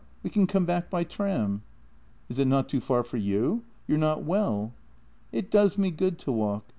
We can come back by tram." " Is it not too far for you? You're not well." " It does me good to walk.